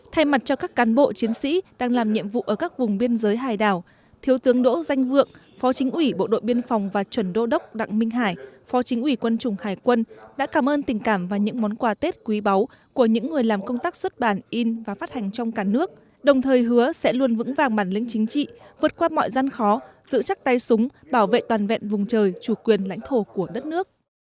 thay mặt cho các cán bộ chiến sĩ đang làm nhiệm vụ ở các vùng biên giới hải đảo thiếu tướng đỗ danh vượng phó chính ủy bộ đội biên phòng và trần đô đốc đặng minh hải phó chính ủy quân chủng hải quân đã cảm ơn tình cảm và những món quà tết quý báu của những người làm công tác xuất bản in và phát hành trong cả nước đồng thời hứa sẽ luôn vững vàng bản lĩnh chính trị vượt qua mọi gian khó giữ chắc tay súng bảo vệ toàn vẹn vùng trời chủ quyền lãnh thổ của đất nước